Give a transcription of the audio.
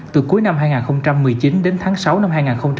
từ cuối năm hai nghìn một mươi chín đến tháng sáu năm hai nghìn hai mươi